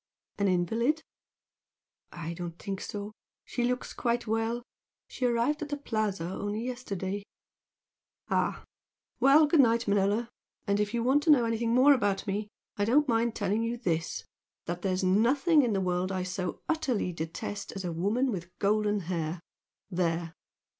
"An invalid?" "I don't think so. She looks quite well. She arrived at the Plaza only yesterday." "Ah! Well, good night, Manella! And if you want to know anything more about me, I don't mind telling you this, that there's nothing in the world I so utterly detest as a woman with golden hair! There!"